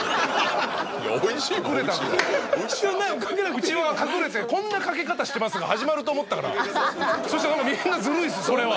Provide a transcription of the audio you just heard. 「うちは隠れてこんなかけ方してます」が始まると思ったからそしたらみんなズルいっすそれは。